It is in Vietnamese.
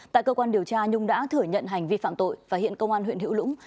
tại cơ quan điều tra nhung đã thừa nhận hành vi phạm tội và hiện công an huyện hữu lũng